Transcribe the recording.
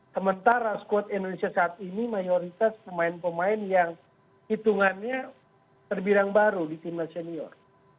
sementara squad indonesia saat ini mayoritas pemain pemain yang hitungannya terbirang baru di timnas senior